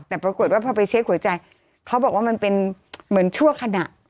แต่ปรากฏว่าพอไปเช็คหัวใจเขาบอกว่ามันเป็นเหมือนชั่วขณะ